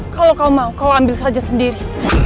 kalau kau mau kau ambil saja sendiri